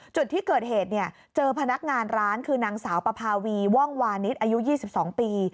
จุดที่เกิดเหตุเจอพนักงานร้านคือนางสาวปภาวีว่องวานิสอายุ๒๒ปี